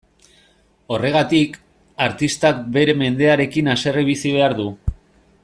Horregatik, artistak bere mendearekin haserre bizi behar du.